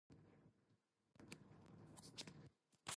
Richard Hawley was appointed as the first president.